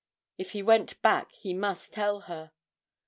If he went back he must tell her.